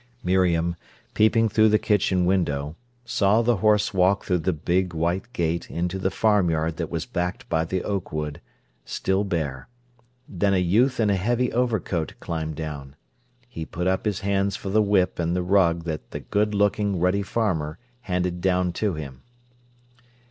Miriam, peeping through the kitchen window, saw the horse walk through the big white gate into the farmyard that was backed by the oak wood, still bare. Then a youth in a heavy overcoat climbed down. He put up his hands for the whip and the rug that the good looking, ruddy farmer handed down to him.